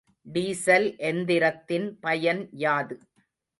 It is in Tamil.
டீசல் எந்திரத்தின் பயன் யாது?